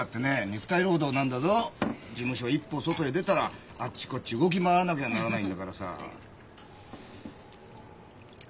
事務所一歩外へ出たらあっちこっち動き回らなきゃならないんだからさ。